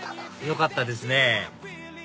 よかったですね